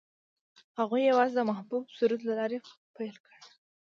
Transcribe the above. هغوی یوځای د محبوب سرود له لارې سفر پیل کړ.